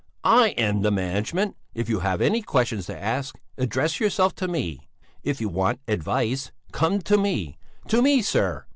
"I am the management. If you have any questions to ask, address yourself to me! If you want advice, come to me! To me, sir!